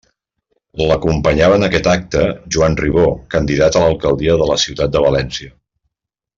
L'acompanyava en aquest acte Joan Ribó, candidat a l'alcaldia de la ciutat de València.